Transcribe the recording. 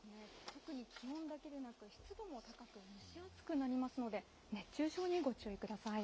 特に気温だけでなく、湿度も高く、蒸し暑くなりますので、熱中症にご注意ください。